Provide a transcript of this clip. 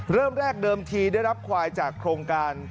เริ่มแรกเดิมทีได้รับควายจากโครงการ